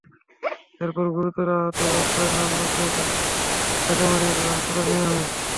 এরপর গুরুতর আহত অবস্থায় পান্নুকে ঢাকা মেডিকেল কলেজ হাসপাতালে নেওয়া হয়।